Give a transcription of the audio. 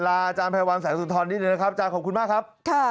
อาจารย์ไพรวัลแสงสุนทรนิดนึงนะครับอาจารย์ขอบคุณมากครับ